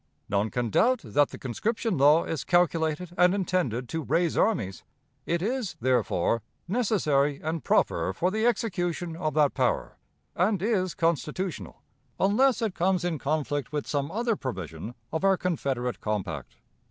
None can doubt that the conscription law is calculated and intended to 'raise armies'; it is, therefore, 'necessary and proper' for the execution of that power, and is constitutional, unless it comes in conflict with some other provision of our Confederate compact.